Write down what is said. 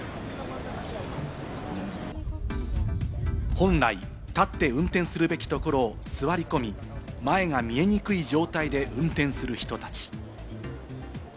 本来、立って運転するべきところを座り込み、前が見えにくい状態で運転する人たち。